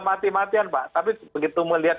mati matian pak tapi begitu melihat